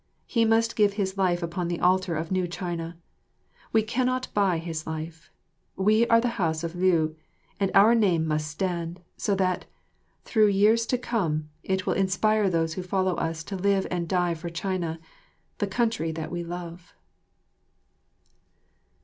He must give his life upon the altar of new China. We cannot buy his life. We are of the house of Liu, and our name must stand, so that, through the years to come, it will inspire those who follow us to live and die for China, the country that we love.